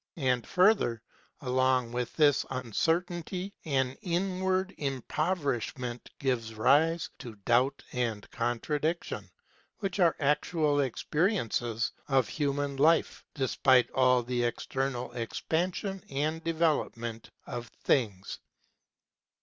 And, further, along with this uncertainty an inward impoverishment gives rise to doubt and contradiction, which are actual experiences of human life despite all the external expansion and development of things.